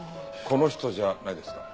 この人じゃないですか？